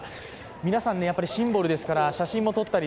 皆さん、シンボルですから写真を撮ったり